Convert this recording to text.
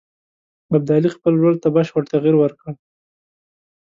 ابدالي خپل رول ته بشپړ تغییر ورکړ.